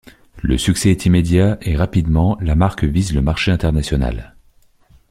Le succès est immédiat et rapidement la marque vise le marché international.